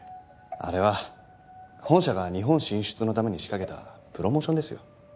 あれは本社が日本進出のために仕掛けたプロモーションですよ。